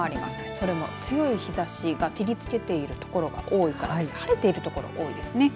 それも強い日ざしが照りつけているところが多く晴れているところが多いですね。